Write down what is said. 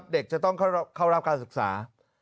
เด็กจะต้องเข้ารับการศึกษา